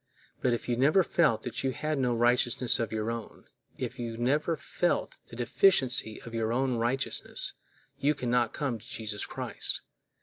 But if you never felt that you had no righteousness of your own, if you never felt the deficiency of your own righteousness, you can not come to Jesus Christ.